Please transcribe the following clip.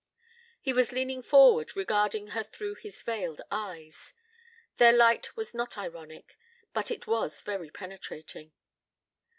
He was leaning forward, regarding her through his veiled eyes. Their light was not ironic, but it was very penetrating.